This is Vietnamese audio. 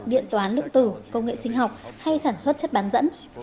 điện toán lượng tử công nghệ sinh học hay sản xuất chất bán dẫn